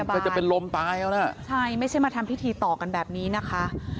ก็จะเป็นลมตายเอาล่ะใช่ไม่ใช่มาทำพิธีต่อกันแบบนี้นะคะ